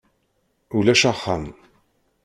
Ulac axxam.